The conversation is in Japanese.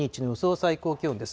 最高気温です。